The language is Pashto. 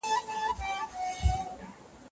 د منطقي پلټني لپاره اړین پړاوونه په پام کي ونیسئ.